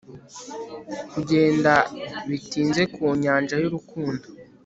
kugenda bitinze ku nyanja y'urukundo